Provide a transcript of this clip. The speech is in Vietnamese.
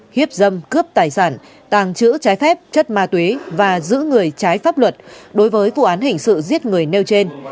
hiếp dâm cướp tài sản tàng trữ trái phép chất ma túy và giữ người trái pháp luật đối với vụ án hình sự giết người nêu trên